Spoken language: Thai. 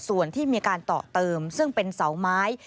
ส่วนที่มีการต่อเติมซึ่งเป็นเสาไม้